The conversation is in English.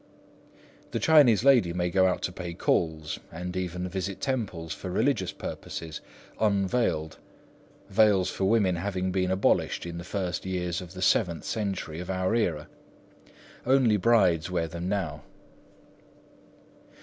The Chinese lady may go out to pay calls, and even visit temples for religious purposes, unveiled, veils for women having been abolished in the first years of the seventh century of our era. Only brides wear them now.